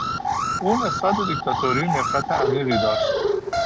او نسبت به دیکتاتوری نفرت عمیقی داشت.